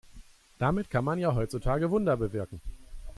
Damit kann man ja heutzutage Wunder bewirken.